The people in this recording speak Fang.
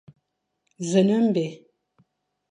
Nẑen ébyen.